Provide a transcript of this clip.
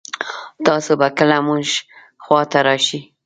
تاسو به کله مونږ خوا ته راشئ